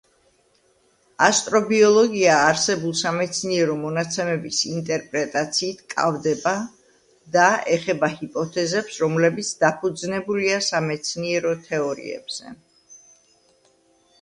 ასტრობიოლოგია არსებულ სამეცნიერო მონაცემების ინტერპრეტაციით კავდება და ეხება ჰიპოთეზებს, რომლებიც დაფუძნებულია სამეცნიერო თეორიებზე.